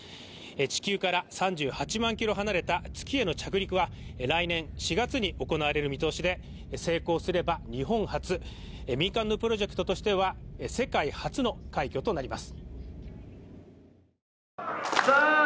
地球から３８万ｋｍ離れた月への着陸は来年４月に行われる見通しで成功すれば日本初、民間のプロジェクトとしては世界初の快挙となります。